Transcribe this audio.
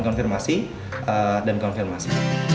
konfirmasi dan konfirmasi